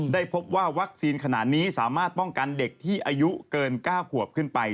ได้พบว่าวัคซีนขนาดนี้สามารถป้องกันเด็กที่อายุเกิน๙ขวบขึ้นไป